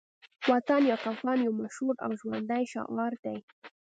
وطن یا کفن يو مشهور او ژوندی شعار دی